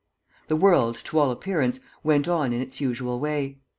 The world, to all appearance, went on in its usual way.